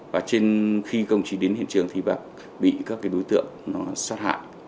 và khi công chí đến hiện trường thì bị các đối tượng sát hại